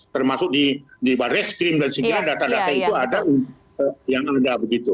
termasuk di restrim dan sebagainya data data itu ada yang ada begitu